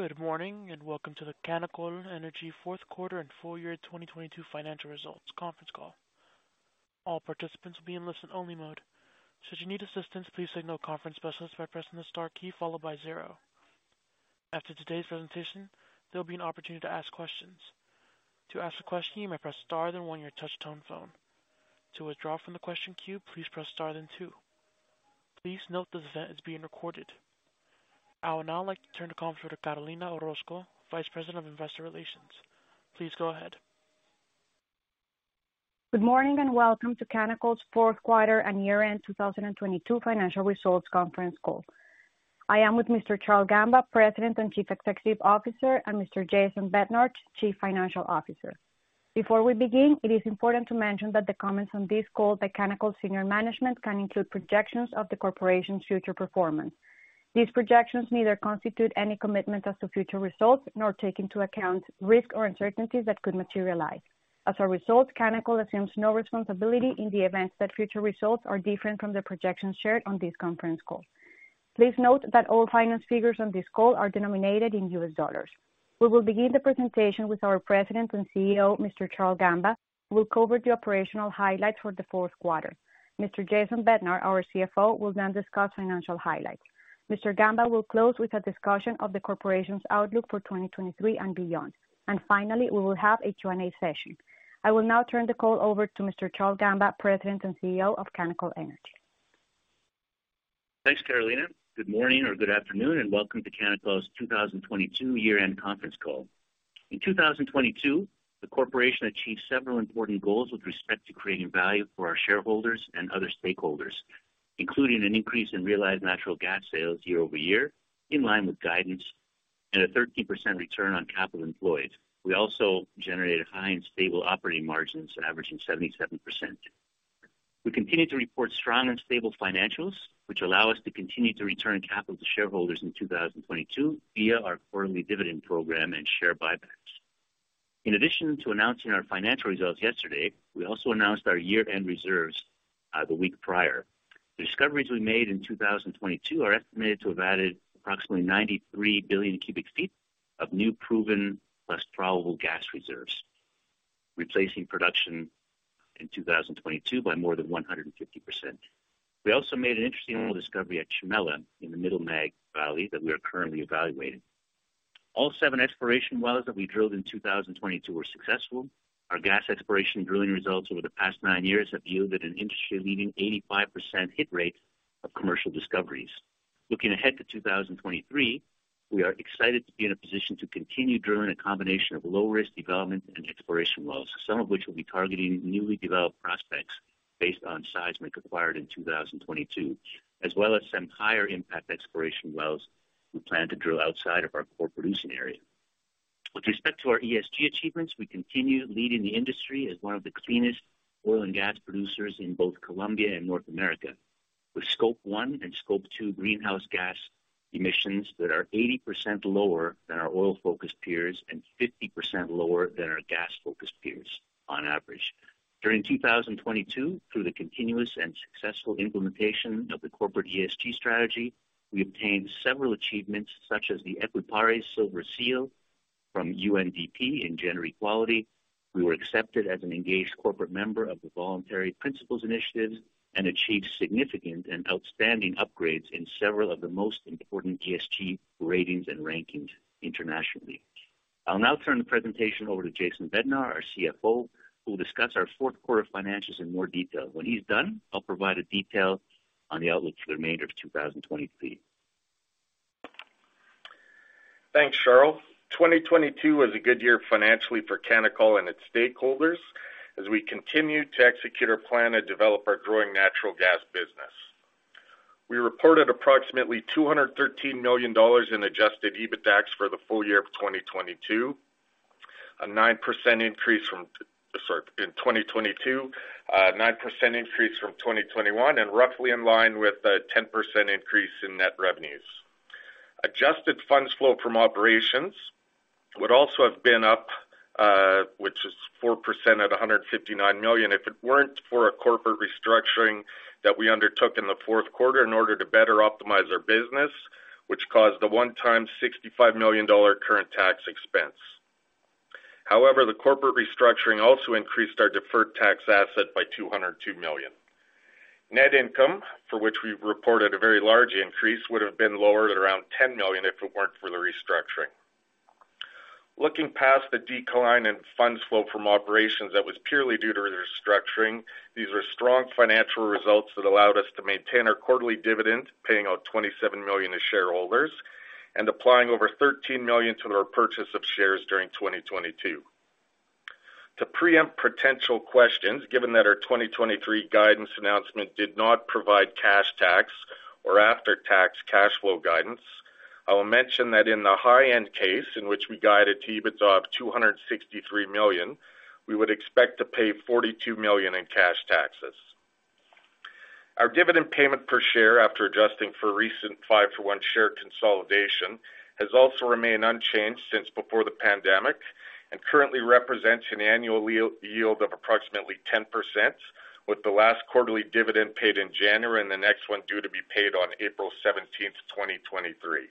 Good morning, and welcome to the Canacol Energy fourth quarter and Full Year 2022 Financial Results Conference Call. All participants will be in listen-only mode. Should you need assistance, please signal a conference specialist by pressing the star key followed by zero. After today's presentation, there'll be an opportunity to ask questions. To ask a question, you may press star then one on your touch-tone phone. To withdraw from the question queue, please press star then two. Please note this event is being recorded. I would now like to turn the call over to Carolina Orozco, Vice President of Investor Relations. Please go ahead. Good morning, and welcome to Canacol's Fourth Quarter and year-end 2022 Financial Results Conference Call. I am with Mr. Charle Gamba, President and Chief Executive Officer, and Mr. Jason Bednar, Chief Financial Officer. Before we begin, it is important to mention that the comments on this call by Canacol's senior management can include projections of the corporation's future performance. These projections neither constitute any commitment as to future results, nor take into account risk or uncertainties that could materialize. As a result, Canacol assumes no responsibility in the event that future results are different from the projections shared on this conference call. Please note that all finance figures on this call are denominated in US dollars. We will begin the presentation with our President and CEO, Mr. Charle Gamba, who will cover the operational highlights for the fourth quarter. Mr. Jason Bednar, our CFO, will then discuss financial highlights. Mr. Gamba will close with a discussion of the corporation's outlook for 2023 and beyond. Finally, we will have a Q&A session. I will now turn the call over to Mr. Charle Gamba, President and CEO of Canacol Energy. Thanks, Carolina. Good morning or good afternoon, welcome to Canacol's 2022 year-end conference call. In 2022, the corporation achieved several important goals with respect to creating value for our shareholders and other stakeholders, including an increase in realized natural gas sales year-over-year in line with guidance and a 13% return on capital employed. We also generated high and stable operating margins averaging 77%. We continued to report strong and stable financials, which allow us to continue to return capital to shareholders in 2022 via our quarterly dividend program and share buybacks. In addition to announcing our financial results yesterday, we also announced our year-end reserves the week prior. The discoveries we made in 2022 are estimated to have added approximately 93 billion cubic feet of new proven plus probable gas reserves, replacing production in 2022 by more than 150%. We also made an interesting oil discovery at Chimela in the Middle Magdalena Valley that we are currently evaluating. All seven exploration wells that we drilled in 2022 were successful. Our gas exploration drilling results over the past nine years have yielded an industry-leading 85% hit rate of commercial discoveries. Looking ahead to 2023, we are excited to be in a position to continue drilling a combination of low risk development and exploration wells, some of which will be targeting newly developed prospects based on seismic acquired in 2022, as well as some higher impact exploration wells we plan to drill outside of our core producing area. With respect to our ESG achievements, we continue leading the industry as one of the cleanest oil and gas producers in both Colombia and North America, with Scope 1 and Scope 2 greenhouse gas emissions that are 80% lower than our oil-focused peers and 50% lower than our gas-focused peers on average. During 2022, through the continuous and successful implementation of the corporate ESG strategy, we obtained several achievements, such as the Equipares Silver Seal from UNDP in gender equality. We were accepted as an engaged corporate member of the Voluntary Principles Initiative and achieved significant and outstanding upgrades in several of the most important ESG ratings and rankings internationally. I'll now turn the presentation over to Jason Bednar, our CFO, who will discuss our fourth quarter financials in more detail. When he's done, I'll provide a detail on the outlook for the remainder of 2023. Thanks, Charle. 2022 was a good year financially for Canacol and its stakeholders as we continued to execute our plan to develop our growing natural gas business. We reported approximately $213 million in Adjusted EBITDAX for the full year of 2022, a 9% increase in 2022, a 9% increase from 2021 and roughly in line with a 10% increase in net revenues. Adjusted funds flow from operations would also have been up, which is 4% at $159 million, if it weren't for a corporate restructuring that we undertook in the fourth quarter in order to better optimize our business, which caused the one-time $65 million current tax expense. The corporate restructuring also increased our deferred tax asset by $202 million. Net income, for which we've reported a very large increase, would have been lower at around $10 million if it weren't for the restructuring. Looking past the decline in funds flow from operations that was purely due to the restructuring, these are strong financial results that allowed us to maintain our quarterly dividend, paying out $27 million to shareholders and applying over $13 million to our purchase of shares during 2022. To preempt potential questions, given that our 2023 guidance announcement did not provide cash tax or after-tax cash flow guidance, I will mention that in the high-end case in which we guided to EBITDA of $263 million, we would expect to pay $42 million in cash taxes. Our dividend payment per share, after adjusting for recent 5-to-1 share consolidation, has also remained unchanged since before the pandemic. Currently represents an annual yield of approximately 10%, with the last quarterly dividend paid in January and the next one due to be paid on April 17th, 2023.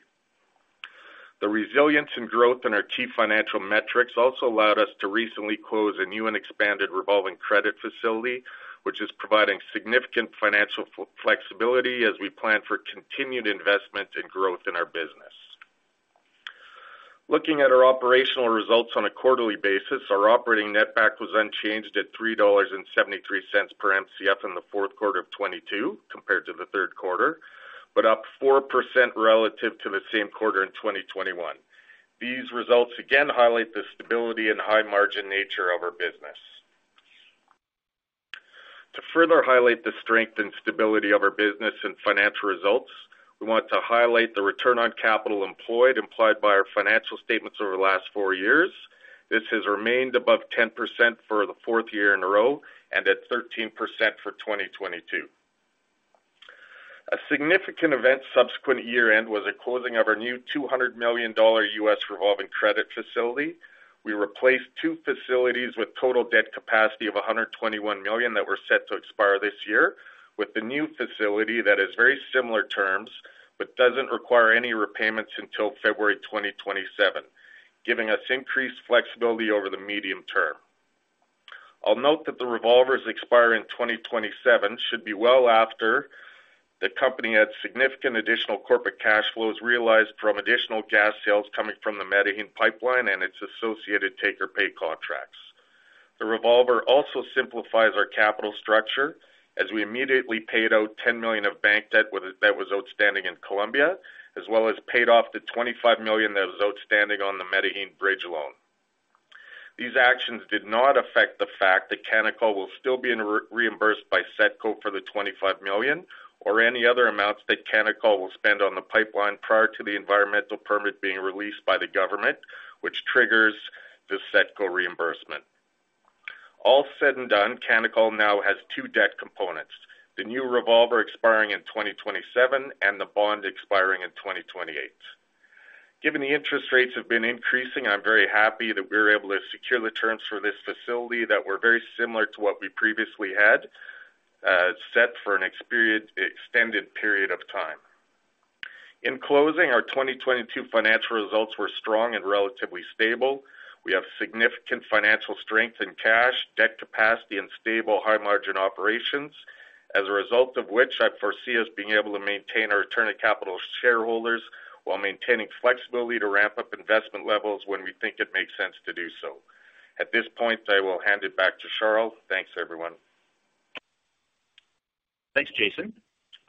The resilience and growth in our key financial metrics also allowed us to recently close a new and expanded revolving credit facility, which is providing significant financial flexibility as we plan for continued investment and growth in our business. Looking at our operational results on a quarterly basis, our operating net back was unchanged at $3.73 per Mcf in the fourth quarter of 2022 compared to the third quarter, but up 4% relative to the same quarter in 2021. These results again highlight the stability and high margin nature of our business. To further highlight the strength and stability of our business and financial results, we want to highlight the return on capital employed implied by our financial statements over the last four years. This has remained above 10% for the fourth year in a row and at 13% for 2022. A significant event subsequent to year-end was the closing of our new $200 million revolving credit facility. We replaced two facilities with total debt capacity of $121 million that were set to expire this year with the new facility that has very similar terms but doesn't require any repayments until February 2027, giving us increased flexibility over the medium term. I'll note that the revolvers expire in 2027 should be well after the company had significant additional corporate cash flows realized from additional gas sales coming from the Medellin pipeline and its associated take-or-pay contracts. The revolver also simplifies our capital structure as we immediately paid out $10 million of bank debt that was outstanding in Colombia, as well as paid off the $25 million that was outstanding on the Medellin bridge loan. These actions did not affect the fact that Canacol will still be reimbursed by SETCO for the $25 million or any other amounts that Canacol will spend on the pipeline prior to the environmental permit being released by the government, which triggers the SETCO reimbursement. All said and done, Canacol now has two debt components, the new revolver expiring in 2027 and the bond expiring in 2028. Given the interest rates have been increasing, I'm very happy that we were able to secure the terms for this facility that were very similar to what we previously had set for an extended period of time. In closing, our 2022 financial results were strong and relatively stable. We have significant financial strength and cash, debt capacity and stable high margin operations. As a result of which I foresee us being able to maintain our return of capital to shareholders while maintaining flexibility to ramp up investment levels when we think it makes sense to do so. At this point, I will hand it back to Charle. Thanks, everyone. Thanks, Jason.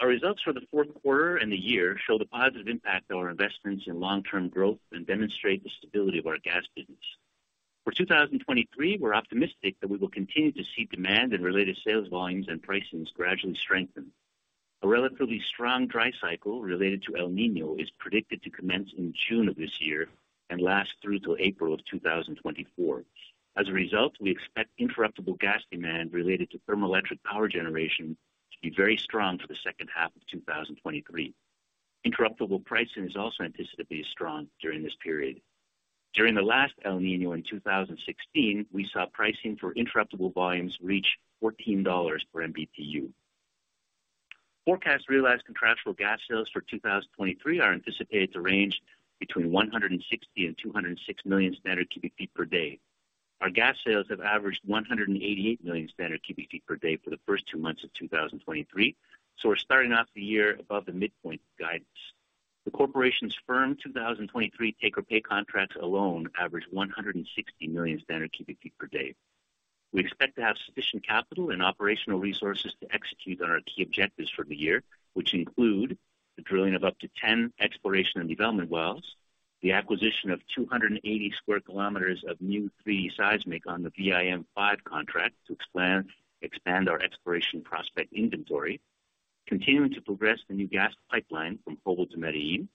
Our results for the fourth quarter and the year show the positive impact of our investments in long-term growth and demonstrate the stability of our gas business. For 2023, we're optimistic that we will continue to see demand and related sales volumes and pricings gradually strengthen. A relatively strong dry cycle related to El Niño is predicted to commence in June of this year and last through till April of 2024. As a result, we expect interruptible gas demand related to thermoelectric power generation to be very strong for the second half of 2023. Interruptible pricing is also anticipated to be strong during this period. During the last El Niño in 2016, we saw pricing for interruptible volumes reach $14 per MBTU. Forecast realized contractual gas sales for 2023 are anticipated to range between 160 and 206 million standard cubic feet per day. Our gas sales have averaged 188 million standard cubic feet per day for the first 2 months of 2023. We're starting off the year above the midpoint guidance. The corporation's firm 2023 take-or-pay contracts alone average 160 million standard cubic feet per day. We expect to have sufficient capital and operational resources to execute on our key objectives for the year, which include the drilling of up to 10 exploration and development wells, the acquisition of 280 square kilometers of new 3D seismic on the VIM-5 contract to expand our exploration prospect inventory, continuing to progress the new gas pipeline from Jobo to Medellin,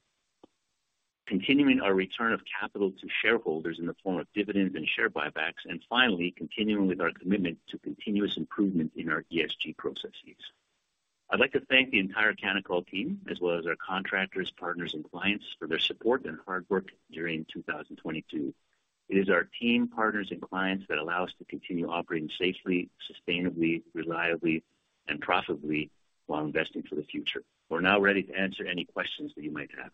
continuing our return of capital to shareholders in the form of dividends and share buybacks, and finally continuing with our commitment to continuous improvement in our ESG processes. I'd like to thank the entire Canacol team as well as our contractors, partners and clients for their support and hard work during 2022. It is our team, partners and clients that allow us to continue operating safely, sustainably, reliably and profitably while investing for the future. We're now ready to answer any questions that you might have.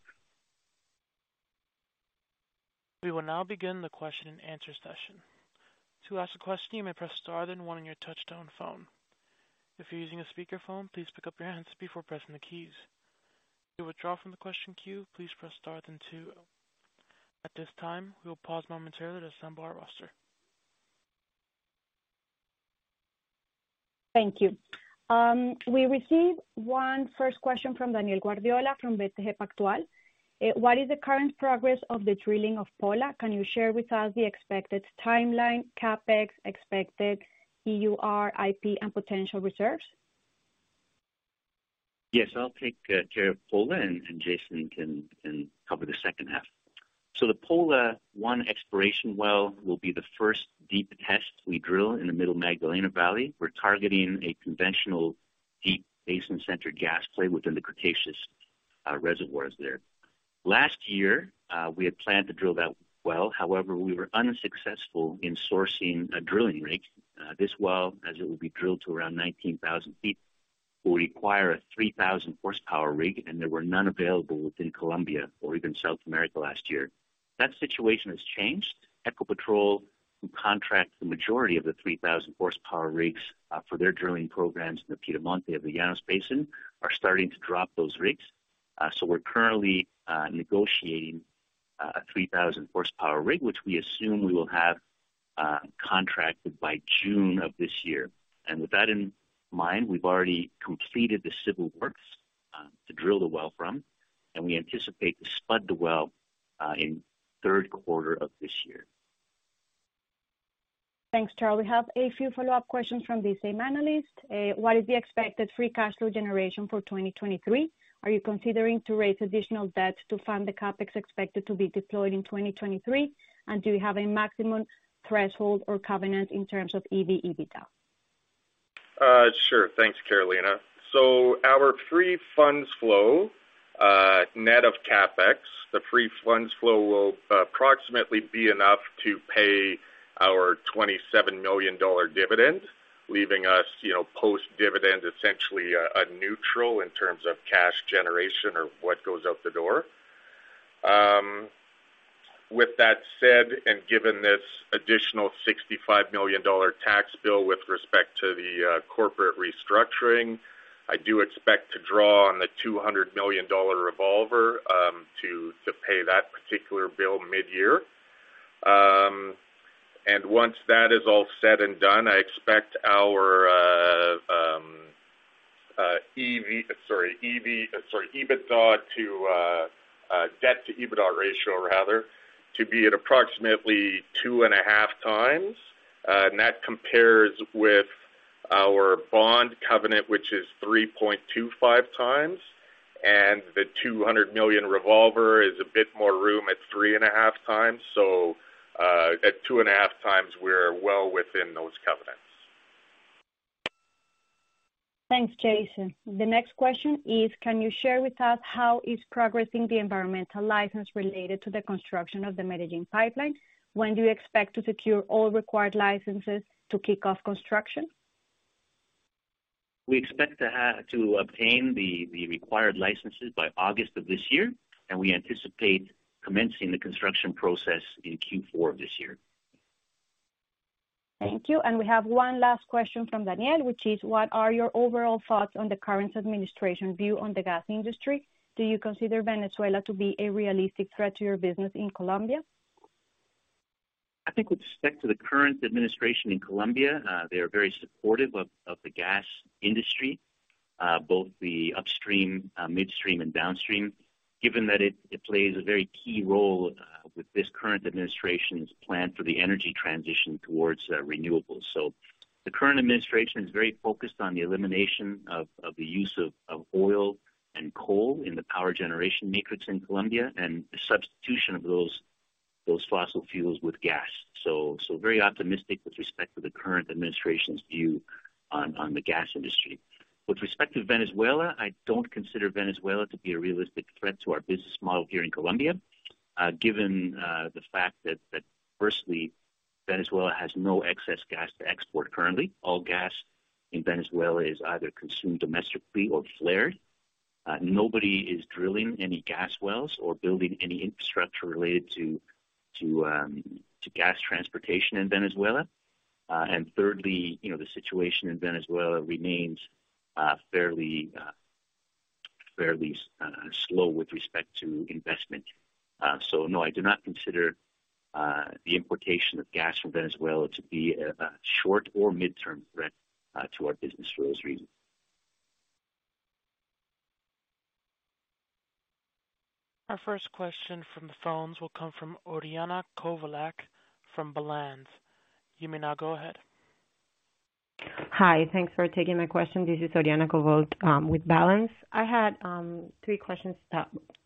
We will now begin the question and answer session. To ask a question, you may press star then one on your touchtone phone. If you're using a speakerphone, please pick up your handset before pressing the keys. To withdraw from the question queue, please press star then two. At this time, we will pause momentarily to assemble our roster. Thank you. We received one first question from Daniel Guardiola from BTG Pactual. What is the current progress of the drilling of Pola? Can you share with us the expected timeline, CapEx expected, EUR and potential reserves? Yes, I'll take care of Pola and Jason can cover the second half. The Pola-1 exploration well will be the first deep test we drill in the Middle Magdalena Valley. We're targeting a conventional deep basin center gas play within the Cretaceous. Our reservoirs there. Last year, we had planned to drill that well. However, we were unsuccessful in sourcing a drilling rig. This well, as it will be drilled to around 19,000 feet, will require a 3,000 horsepower rig, and there were none available within Colombia or even South America last year. That situation has changed. Ecopetrol, who contracts the majority of the 3,000 horsepower rigs, for their drilling programs in the Piedemonte of the Llanos Basin, are starting to drop those rigs. We're currently negotiating a 3,000 horsepower rig, which we assume we will have contracted by June of this year. With that in mind, we've already completed the civil works to drill the well from, and we anticipate to spud the well in third quarter of this year. Thanks, Charle. We have a few follow-up questions from the same analyst. What is the expected free cash flow generation for 2023? Are you considering to raise additional debt to fund the CapEx expected to be deployed in 2023? Do you have a maximum threshold or covenant in terms of EV-EBITDA? Sure. Thanks, Carolina. Our free funds flow, net of CapEx, the free funds flow will approximately be enough to pay our $27 million dividend, leaving us, you know, post-dividend essentially, a neutral in terms of cash generation or what goes out the door. With that said, given this additional $65 million tax bill with respect to the corporate restructuring, I do expect to draw on the $200 million revolver to pay that particular bill mid-year. Once that is all said and done, I expect our EBITDA to debt to EBITDA ratio rather, to be at approximately 2.5 times. That compares with our bond covenant, which is 3.25 times. The $200 million revolver is a bit more room at 3.5 times. At 2.5 times, we're well within those covenants. Thanks, Jason. The next question is, can you share with us how is progressing the environmental license related to the construction of the Medellin pipeline? When do you expect to secure all required licenses to kick off construction? We expect to obtain the required licenses by August of this year. We anticipate commencing the construction process in Q4 of this year. Thank you. We have one last question from Daniel, which is, what are your overall thoughts on the current administration view on the gas industry? Do you consider Venezuela to be a realistic threat to your business in Colombia? I think with respect to the current administration in Colombia, they are very supportive of the gas industry, both the upstream, midstream and downstream. Given that it plays a very key role with this current administration's plan for the energy transition towards renewables. The current administration is very focused on the elimination of the use of oil and coal in the power generation matrix in Colombia, and the substitution of those fossil fuels with gas. Very optimistic with respect to the current administration's view on the gas industry. With respect to Venezuela, I don't consider Venezuela to be a realistic threat to our business model here in Colombia, given the fact that firstly, Venezuela has no excess gas to export currently. All gas in Venezuela is either consumed domestically or flared. Nobody is drilling any gas wells or building any infrastructure related to gas transportation in Venezuela. Thirdly, you know, the situation in Venezuela remains fairly slow with respect to investment. No, I do not consider the importation of gas from Venezuela to be a short or mid-term threat to our business for those reasons. Our first question from the phones will come from Oriana Covaci from Balanz. You may now go ahead. Hi. Thanks for taking my question. This is Oriana Covaci with Balanz. I had three questions.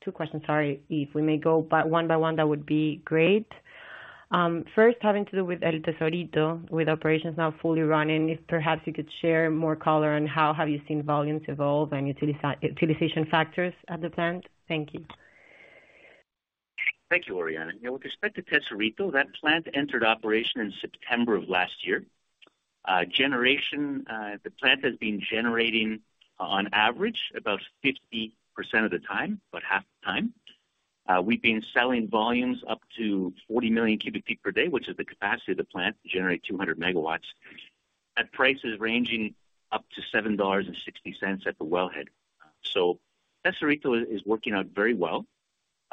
Two questions, sorry. If we may go by one by one, that would be great. First, having to do with El Tesorito, with operations now fully running, if perhaps you could share more color on how have you seen volumes evolve and utilization factors at the plant. Thank you. Thank you, Oriana. With respect to Tesorito, that plant entered operation in September of last year. Generation, the plant has been generating on average about 50% of the time, about half the time. We've been selling volumes up to 40 million cubic feet per day, which is the capacity of the plant to generate 200 megawatts, at prices ranging up to $7.60 at the wellhead. Tesorito is working out very well.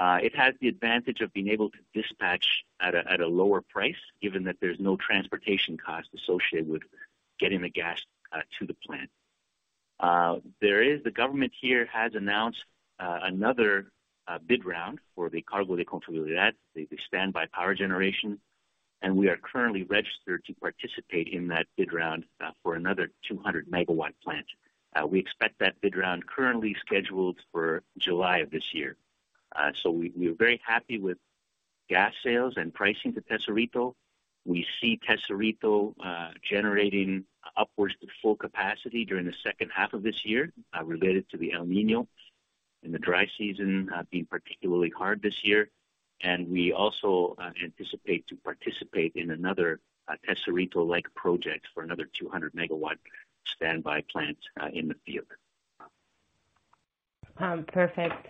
It has the advantage of being able to dispatch at a lower price, given that there's no transportation cost associated with getting the gas to the plant. The government here has announced another bid round for the Cargo por Confiabilidad, the standby power generation, and we are currently registered to participate in that bid round for another 200 megawatt plant. We expect that bid round currently scheduled for July of this year. We're very happy with Gas sales and pricing to Tesorito. We see Tesorito generating upwards to full capacity during the second half of this year, related to the El Niño and the dry season being particularly hard this year. We also anticipate to participate in another Tesorito-like project for another 200 megawatt standby plant in the field. Perfect.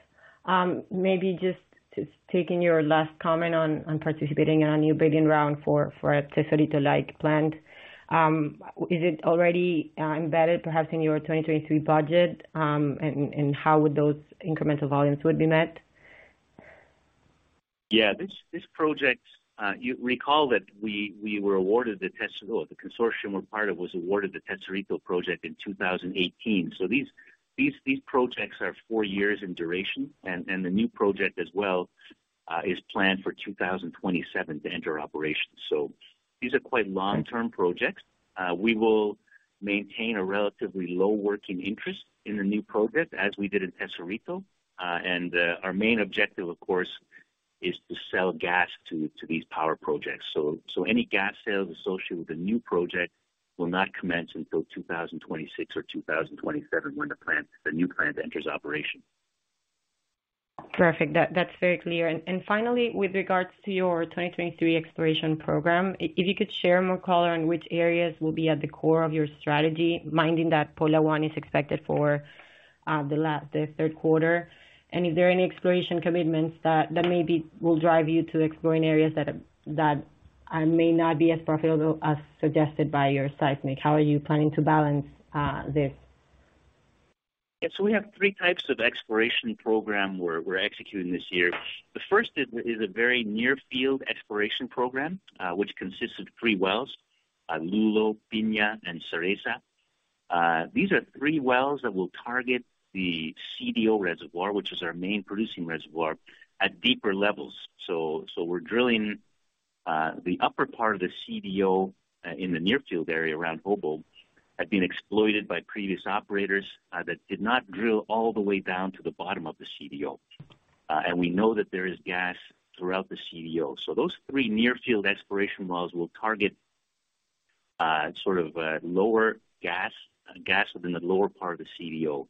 Maybe just to taking your last comment on participating in a new bidding round for a Tesorito-like plant. Is it already embedded perhaps in your 2023 budget? How would those incremental volumes be met? This project, you recall that we were awarded the Tesorito, the consortium we're part of was awarded the Tesorito project in 2018. These projects are 4 years in duration and the new project as well is planned for 2027 to enter operations. These are quite long-term projects. We will maintain a relatively low working interest in the new project as we did in Tesorito. And our main objective, of course, is to sell gas to these power projects. Any gas sales associated with the new project will not commence until 2026 or 2027 when the new plant enters operation. Perfect. That's very clear. Finally, with regards to your 2023 exploration program, if you could share more color on which areas will be at the core of your strategy, minding that Pola-1 is expected for the third quarter. Is there any exploration commitments that maybe will drive you to exploring areas that may not be as profitable as suggested by your seismic? How are you planning to balance this? We have three types of exploration program we're executing this year. The first is a very near field exploration program, which consists of three wells, Lulo, Piña and Cereza. These are three wells that will target the CDO reservoir, which is our main producing reservoir at deeper levels. We're drilling the upper part of the CDO in the near field area around Jobo had been exploited by previous operators that did not drill all the way down to the bottom of the CDO. And we know that there is gas throughout the CDO. Those three near field exploration wells will target sort of lower gas within the lower part of the CDO.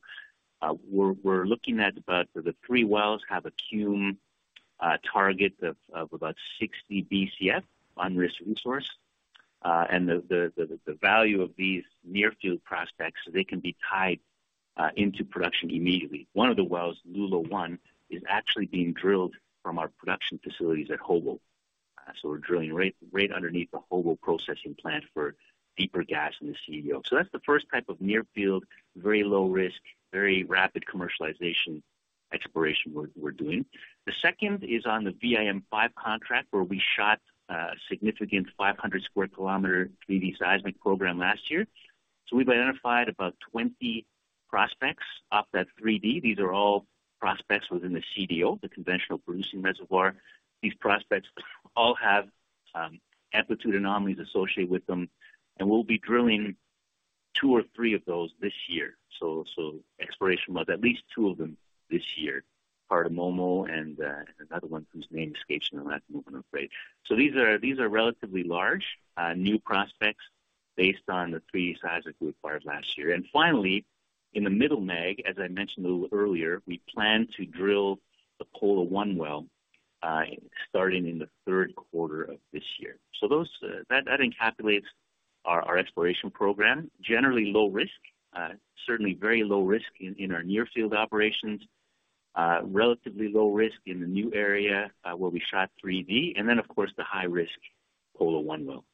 We're looking at about for the three wells have a cum target of about 60 Bcf unrisked resource. The value of these near field prospects, so they can be tied into production immediately. One of the wells, Lulo-1, is actually being drilled from our production facilities at Jobo. We're drilling right underneath the Jobo processing plant for deeper gas in the CDO. That's the first type of near field, very low risk, very rapid commercialization exploration we're doing. The second is on the VIM-5 contract, where we shot a significant 500 square kilometer 3D seismic program last year. We've identified about 20 prospects off that 3D. These are all prospects within the CDO, the conventional producing reservoir. These prospects all have amplitude anomalies associated with them, and we'll be drilling two or three of those this year. Exploration wells, at least two of them this year, part of Momo and another one whose name escapes me right now, I'm afraid. These are relatively large new prospects based on the 3D seismic we acquired last year. Finally, in the Middle Mag, as I mentioned a little earlier, we plan to drill the Pola-1 well, starting in the third quarter of this year. Those that encapsulates our exploration program. Generally low risk, certainly very low risk in our near field operations. Relatively low risk in the new area where we shot 3D. Of course the high risk Pola-1 well.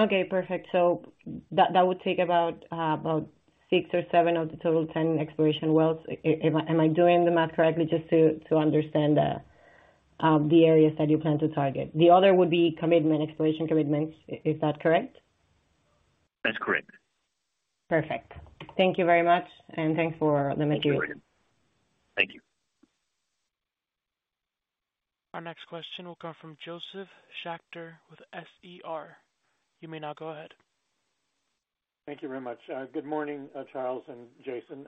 Okay, perfect. That would take about 6 or 7 of the total 10 exploration wells. Am I doing the math correctly just to understand the areas that you plan to target? The other would be commitment, exploration commitments. Is that correct? That's correct. Perfect. Thank you very much, and thanks for the material. Thank you. Our next question will come from Josef Schachter with Schachter Energy Research. You may now go ahead. Thank you very much. Good morning, Charle and Jason.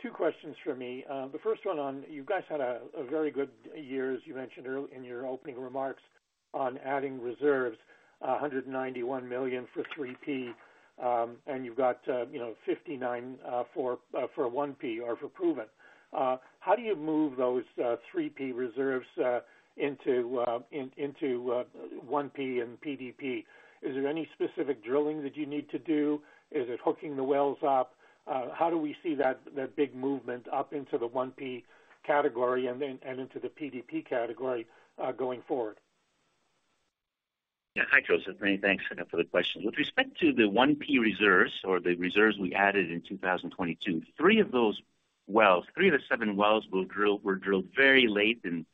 Two questions from me. The first one on... You guys had a very good year, as you mentioned in your opening remarks on adding reserves, 191 million for 3P, and you've got, you know, 59 for 1P or for proven. How do you move those 3P reserves into 1P and PDP? Is there any specific drilling that you need to do? Is it hooking the wells up? How do we see that big movement up into the 1P category and then, and into the PDP category going forward? Hi, Josef. Many thanks for the question. With respect to the 1P reserves or the reserves we added in 2022, three of those wells, 3 of the 7 wells were drilled very late in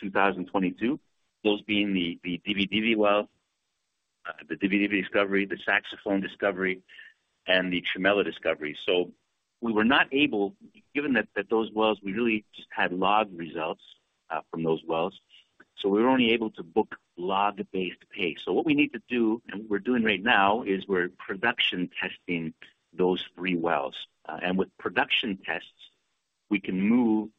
2022, those being the Dividivi well, the Dividivi discovery, the Saxofon discovery, and the Chimela discovery. We were not able. Given that those wells, we really just had log results from those wells. We were only able to book log-based pay. What we need to do, and we're doing right now, is we're production testing those 3 wells. And with production tests, we can move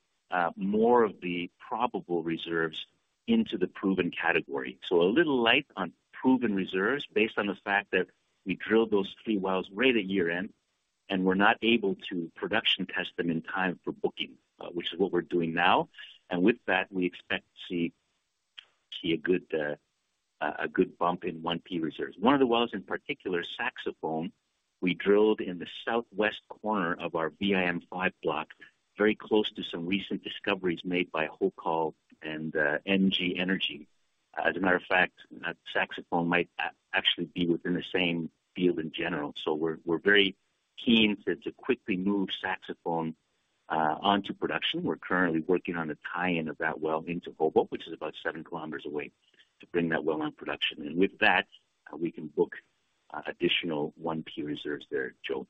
more of the probable reserves into the proven category. A little light on proven reserves based on the fact that we drilled those three wells right at year-end, and we're not able to production test them in time for booking, which is what we're doing now. With that, we expect to see a good bump in one P reserves. One of the wells in particular, Saxofon, we drilled in the southwest corner of our VIM-5 block, very close to some recent discoveries made by Hocol and NG Energy. As a matter of fact, that Saxofon might actually be within the same field in general. We're very keen to quickly move Saxofon onto production. We're currently working on a tie-in of that well into Jobo, which is about seven kilometers away, to bring that well on production. With that, we can book additional one P reserves there. Josef?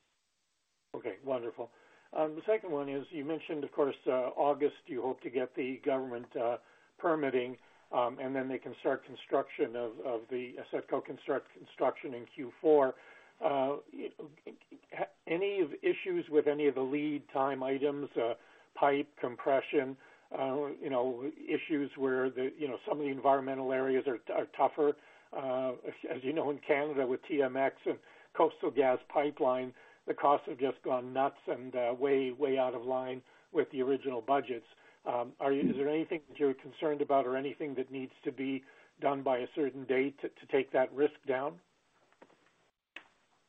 Okay, wonderful. The second one is, you mentioned, of course, August, you hope to get the government permitting. Then they can start construction of the SETCO construction in Q4. Any issues with any of the lead time items, pipe, compression, you know, issues where the, you know, some of the environmental areas are tougher? You know, in Canada, with TMX and Coastal GasLink Pipeline, the costs have just gone nuts and way out of line with the original budgets. Is there anything that you're concerned about or anything that needs to be done by a certain date to take that risk down?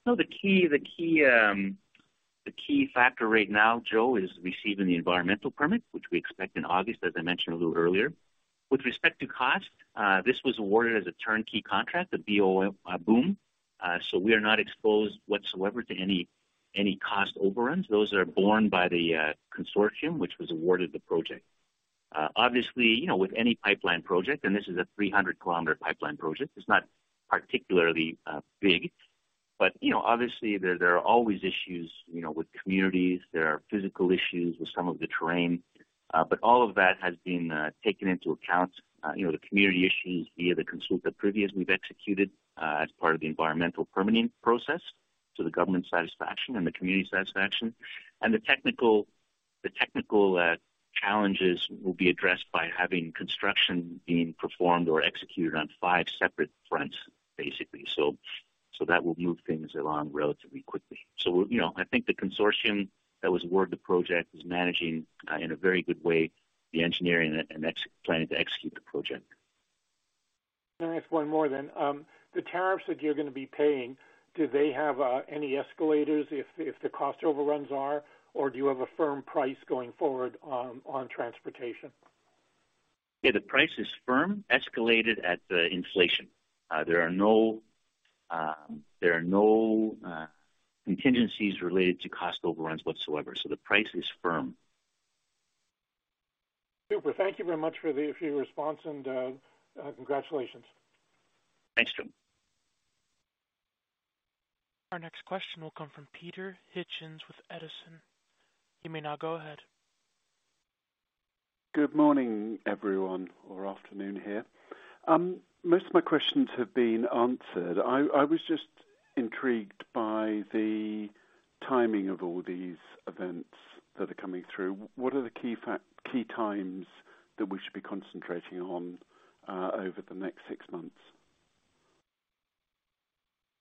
No. The key factor right now, Joe, is receiving the environmental permit, which we expect in August, as I mentioned a little earlier. With respect to cost, this was awarded as a turnkey contract, a BOOT. We are not exposed whatsoever to any cost overruns. Those are borne by the consortium which was awarded the project. Obviously, you know, with any pipeline project, and this is a 300 km pipeline project, it's not particularly big. You know, obviously, there are always issues, you know, with communities. There are physical issues with some of the terrain. All of that has been taken into account. You know, the community issues via the consult that previously we've executed, as part of the environmental permitting process to the government satisfaction and the community satisfaction. The technical challenges will be addressed by having construction being performed or executed on 5 separate fronts, basically. That will move things along relatively quickly. You know, I think the consortium that was awarded the project is managing, in a very good way, the engineering and planning to execute the project. Can I ask one more then? The tariffs that you're going to be paying, do they have any escalators if the cost overruns are, or do you have a firm price going forward on transportation? The price is firm, escalated at the inflation. There are no contingencies related to cost overruns whatsoever, the price is firm. Super. Thank you very much for your response and congratulations. Thanks, Joe. Our next question will come from Peter Hitchens with Edison Group. You may now go ahead. Good morning, everyone, or afternoon here. Most of my questions have been answered. I was just intrigued by the timing of all these events that are coming through. What are the key times that we should be concentrating on over the next six months?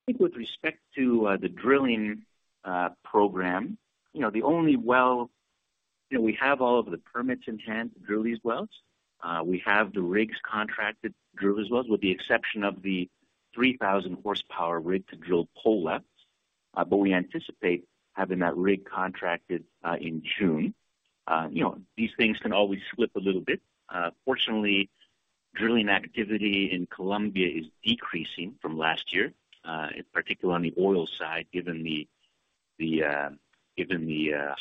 I think with respect to the drilling program, you know, we have all of the permits in hand to drill these wells. We have the rigs contracted to drill these wells, with the exception of the 3,000 horsepower rig to drill Pola-1. We anticipate having that rig contracted in June. You know, these things can always slip a little bit. Fortunately, drilling activity in Colombia is decreasing from last year, in particular on the oil side, given the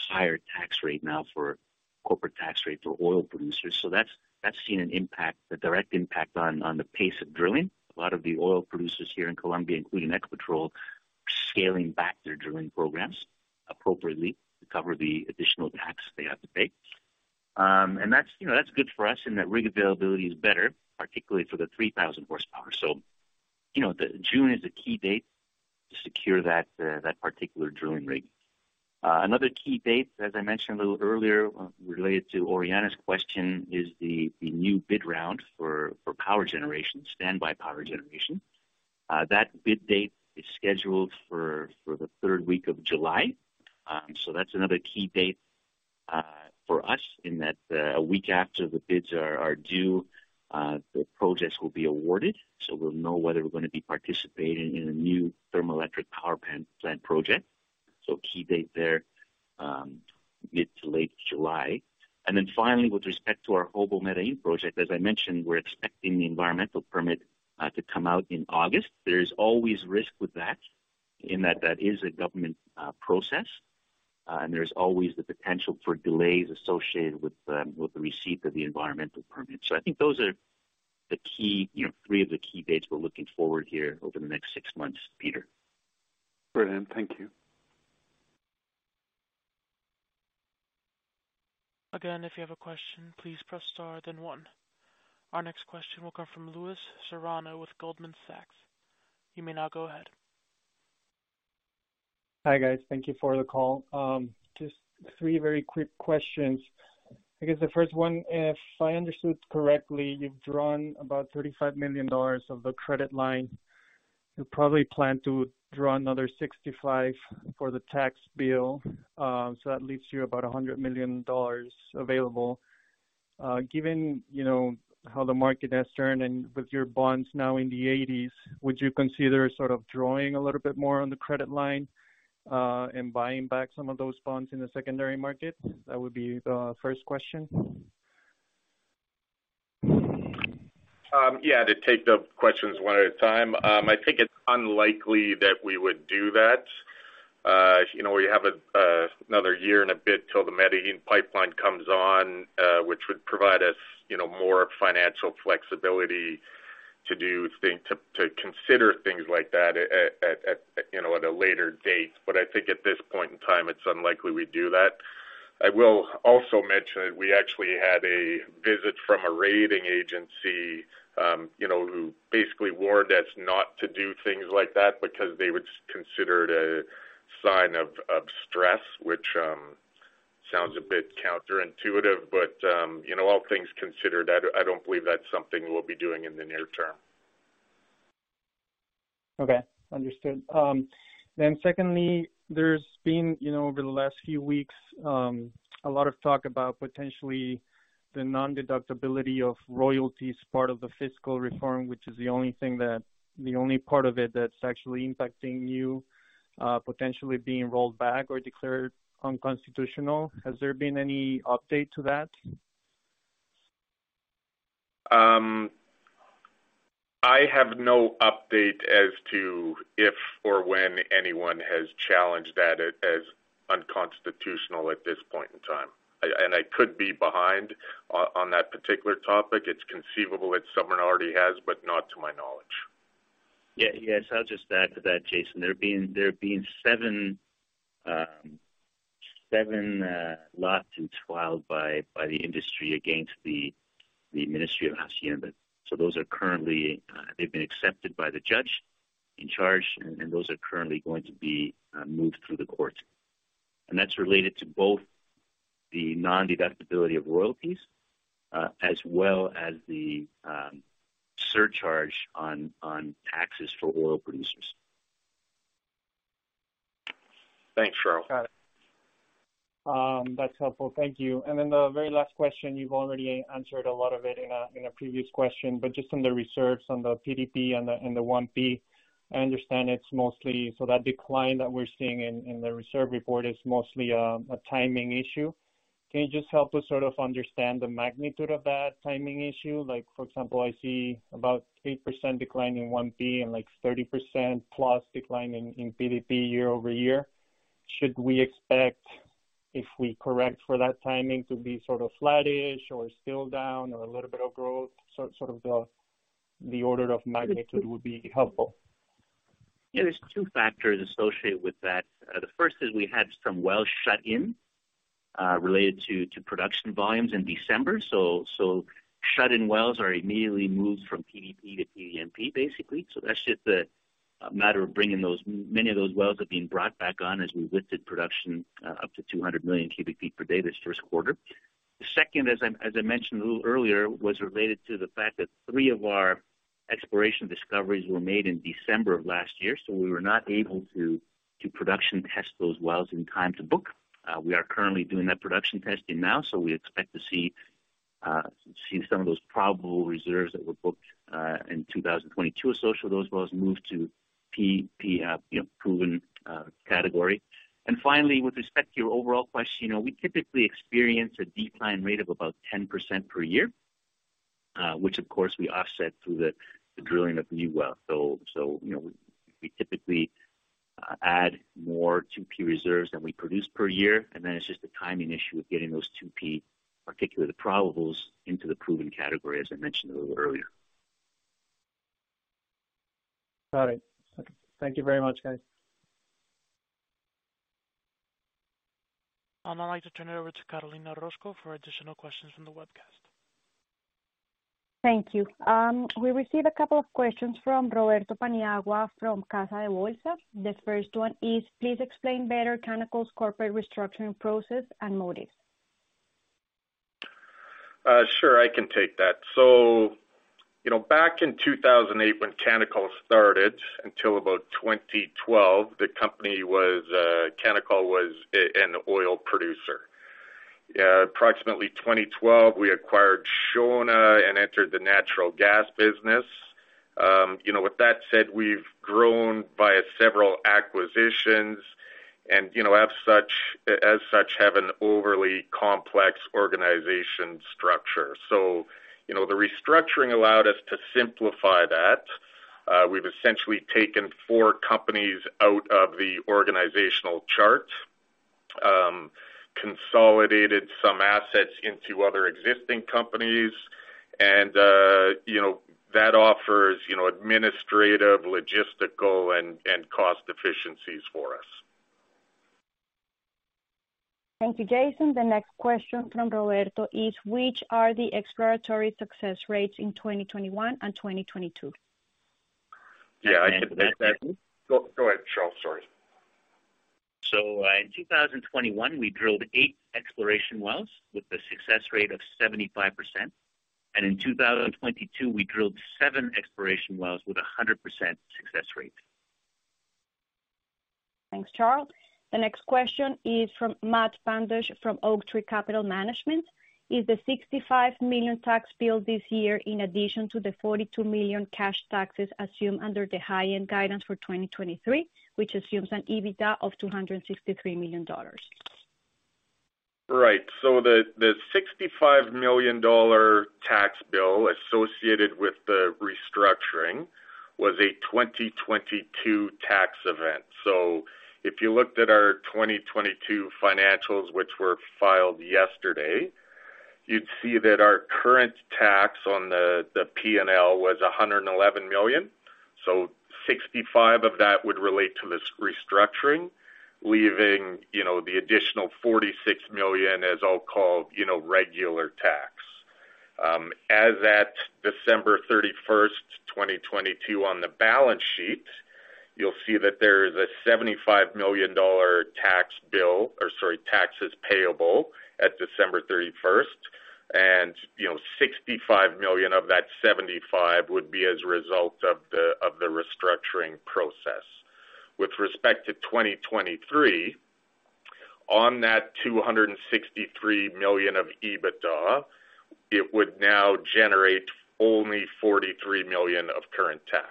higher tax rate now for corporate tax rate for oil producers. That's seen an impact, the direct impact on the pace of drilling. A lot of the oil producers here in Colombia, including Ecopetrol, are scaling back their drilling programs appropriately to cover the additional tax they have to pay. That's, you know, that's good for us, and that rig availability is better, particularly for the 3,000 horsepower. You know, the June is a key date to secure that particular drilling rig. Another key date, as I mentioned a little earlier, related to Oriana's question, is the new bid round for power generation, standby power generation. That bid date is scheduled for the third week of July. That's another key date for us in that a week after the bids are due, the projects will be awarded, so we'll know whether we're gonna be participating in a new thermoelectric power plant project. Key date there, mid to late July. Finally, with respect to our Jobo Medellin project, as I mentioned, we're expecting the environmental permit to come out in August. There is always risk with that in that that is a government process, and there's always the potential for delays associated with the receipt of the environmental permit. I think those are the key, you know, three of the key dates we're looking forward here over the next six months, Peter. Brilliant. Thank you. If you have a question, please press star then one. Our next question will come from Luiz Carvalho with Goldman Sachs. You may now go ahead. Hi guys. Thank you for the call. Just three very quick questions. I guess the first one, if I understood correctly, you've drawn about $35 million of the credit line. You probably plan to draw another $65 million for the tax bill. That leaves you about $100 million available. Given, you know, how the market has turned and with your bonds now in the 80s, would you consider sort of drawing a little bit more on the credit line, and buying back some of those bonds in the secondary market? That would be the first question. Yeah. To take the questions one at a time. I think it's unlikely that we would do that. You know, we have another year and a bit till the Medellin pipeline comes on, which would provide us, you know, more financial flexibility to do things, to consider things like that at, you know, at a later date. I think at this point in time, it's unlikely we'd do that. I will also mention that we actually had a visit from a rating agency, you know, who basically warned us not to do things like that because they would consider it a sign of stress, which sounds a bit counterintuitive, but, you know, all things considered, I don't believe that's something we'll be doing in the near term. Okay. Understood. Secondly, there's been, you know, over the last few weeks, a lot of talk about potentially the non-deductibility of royalties, part of the fiscal reform, which is the only part of it that's actually impacting you, potentially being rolled back or declared unconstitutional. Has there been any update to that? I have no update as to if or when anyone has challenged that as unconstitutional at this point in time. I could be behind on that particular topic. It's conceivable that someone already has, but not to my knowledge. Yeah. Yes, I'll just add to that, Jason. There have been seven lawsuits filed by the industry against the Ministry of Hacienda. Those are currently. They've been accepted by the judge in charge, and those are currently going to be moved through the courts. That's related to both the non-deductibility of royalties, as well as the surcharge on taxes for oil producers. Thanks, Charle. Got it. That's helpful. Thank you. The very last question, you've already answered a lot of it in a previous question, but just on the reserves, on the PDP and the one B, I understand it's mostly so that decline that we're seeing in the reserve report is mostly a timing issue. Can you just help us sort of understand the magnitude of that timing issue? Like for example, I see about 8% decline in one B and like 30% plus decline in PDP year-over-year. Should we expect if we correct for that timing to be sort of flattish or still down or a little bit of growth? Sort of the order of magnitude would be helpful. Yeah. There's two factors associated with that. The first is we had some wells shut in related to production volumes in December. Shut-in wells are immediately moved from PDP to PDNP basically. That's just a matter of bringing those many of those wells have been brought back on as we lifted production up to 200 million cubic feet per day this first quarter. The second, as I mentioned a little earlier, was related to the fact that 3 of our exploration discoveries were made in December of last year. We were not able to production test those wells in time to book. We are currently doing that production testing now, so we expect to see some of those probable reserves that were booked in 2022, so those wells move to PPF, you know, proven category. Finally, with respect to your overall question, you know, we typically experience a decline rate of about 10% per year, which of course we offset through the drilling of new wells. You know, we typically add more 2P reserves than we produce per year. Then it's just a timing issue of getting those 2P, particularly the probables, into the proven category, as I mentioned a little earlier. Got it. Thank you very much, guys. I'd like to turn it over to Carolina Orozco for additional questions from the webcast. Thank you. We received a couple of questions from Roberto Paniagua from Casa de Bolsa. This first one is: Please explain better Canacol's corporate restructuring process and motives. Sure, I can take that. You know, back in 2008 when Canacol started until about 2012, the company was, Canacol was an oil producer. Approximately 2012, we acquired Shona and entered the natural gas business. You know, with that said, we've grown via several acquisitions and, you know, as such have an overly complex organization structure. You know, the restructuring allowed us to simplify that. We've essentially taken four companies out of the organizational chart. Consolidated some assets into other existing companies. You know, that offers, you know, administrative, logistical, and cost efficiencies for us. Thank you, Jason. The next question from Roberto is: Which are the exploratory success rates in 2021 and 2022? Yeah. I think that... Go ahead, Charle. Sorry. In 2021, we drilled 8 exploration wells with a success rate of 75%. In 2022, we drilled seven exploration wells with a 100% success rate. Thanks, Charle. The next question is from Matthew Bundschuh from Oaktree Capital Management. Is the $65 million tax bill this year in addition to the $42 million cash taxes assumed under the high-end guidance for 2023, which assumes an EBITDA of $263 million? Right. The $65 million tax bill associated with the restructuring was a 2022 tax event. If you looked at our 2022 financials, which were filed yesterday, you'd see that our current tax on the P&L was $111 million. $65 of that would relate to this restructuring, leaving, you know, the additional $46 million as I'll call, you know, regular tax. As at December 31, 2022 on the balance sheet, you'll see that there is a $75 million tax bill or sorry, taxes payable at December 31. You know, $65 million of that $75 would be as a result of the restructuring process. With respect to 2023, on that $263 million of EBITDA, it would now generate only $43 million of current tax.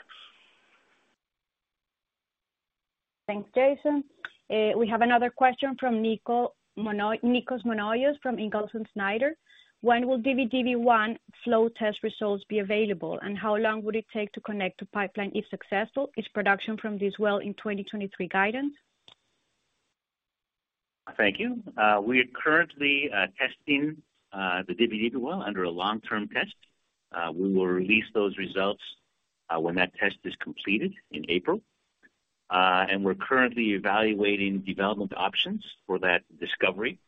Thanks, Jason. We have another question from Nikos Monoyios from Ingalls & Snyder. When will Dividivi 1 flow test results be available, and how long would it take to connect to pipeline if successful its production from this well in 2023 guidance? Thank you. We are currently testing the Dividivi well under a long-term test. We will release those results when that test is completed in April. We're currently evaluating development options for that discovery,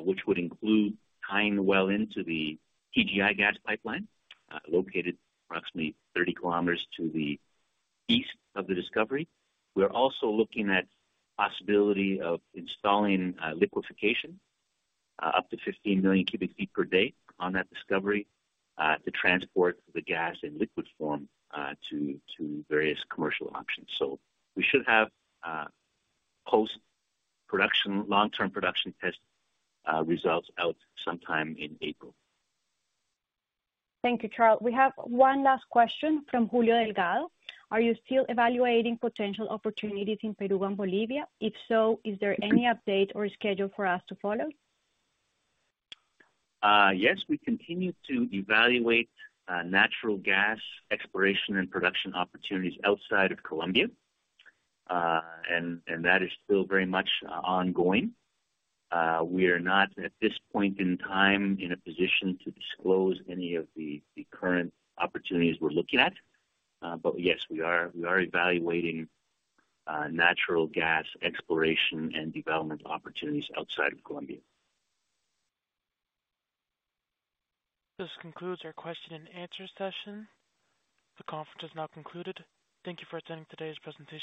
which would include tying the well into the TGI gas pipeline, located approximately 30 kilometers to the east of the discovery. We are also looking at possibility of installing liquefaction up to 15 million cubic feet per day on that discovery, to transport the gas in liquid form, to various commercial options. We should have post-production, long-term production test results out sometime in April. Thank you, Charle. We have one last question from Julio Delgado. Are you still evaluating potential opportunities in Peru and Bolivia? If so, is there any update or schedule for us to follow? Yes, we continue to evaluate natural gas exploration and production opportunities outside of Colombia. That is still very much ongoing. We are not, at this point in time, in a position to disclose any of the current opportunities we're looking at. Yes, we are evaluating natural gas exploration and development opportunities outside of Colombia. This concludes our question and answer session. The conference has now concluded. Thank you for attending today's presentation.